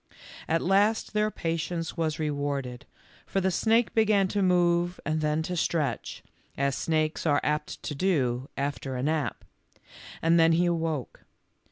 At last their patience was rewarded, for the snake began to move and then to stretch, as snakes are apt to do after a nap, and then he awoke.